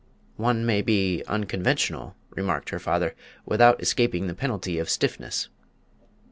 "One may be unconventional," remarked her father, "without escaping the penalty of stiffness.